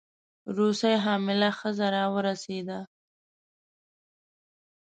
روسۍ حامله ښځه راورسېده.